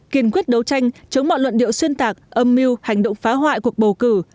kiên quyết đấu tranh chống mọi luận điệu xuyên tạc âm mưu hành động phá hoại cuộc bầu cử